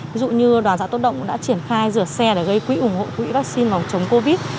ví dụ như đoàn xã tốt động đã triển khai rửa xe để gây quỹ ủng hộ quỹ vaccine phòng chống covid